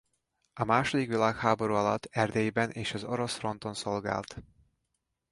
A második világháború alatt Erdélyben és az orosz fronton szolgált.